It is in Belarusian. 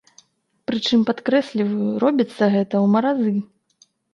Прычым, падкрэсліваю, робіцца гэта ў маразы.